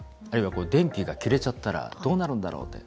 あるいは電気が切れちゃったらどうなるんだろう？